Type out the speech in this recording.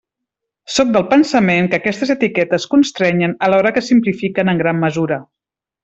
Sóc del pensament que aquestes etiquetes constrenyen alhora que simplifiquen en gran mesura.